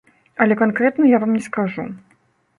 Але канкрэтна я вам не скажу.